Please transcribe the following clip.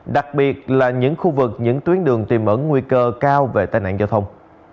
đặc biệt là những khu vực những tuyến đường tìm mở nguy cơ cao về tai nạn giao thông